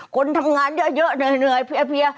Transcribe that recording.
คนทำงานเยอะเหนื่อย